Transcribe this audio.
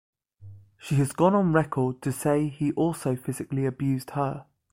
She has gone on record to say he also physically abused her.